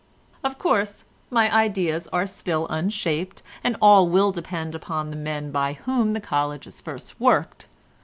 "Of course, my ideas are still unshaped, and all will depend upon the men by whom the college is first worked.